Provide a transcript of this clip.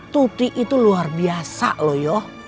tuti itu luar biasa loh ya